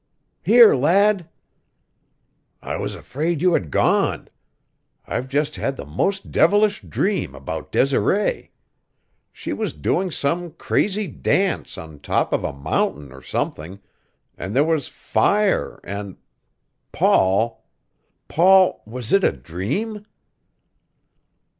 "Here, lad." "I was afraid you had gone. I've just had the most devilish dream about Desiree. She was doing some crazy dance on top of a mountain or something, and there was fire, and Paul! Paul, was it a dream?"